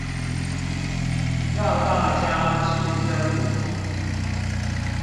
讓大家去增補